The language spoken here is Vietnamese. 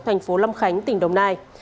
thành phố lâm khánh tỉnh đồng nai